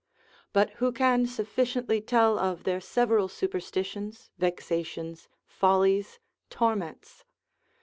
But who can sufficiently tell of their several superstitions, vexations, follies, torments?